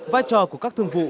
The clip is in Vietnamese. vai trò của các thương vụ